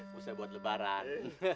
musa buat lebaran